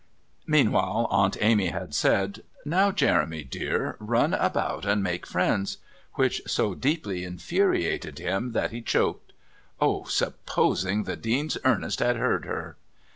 Meanwhile, Aunt Amy had said: "Now, Jeremy, dear, run about and make friends." Which so deeply infuriated him that he choked. Oh! supposing the Dean's Ernest had heard her!...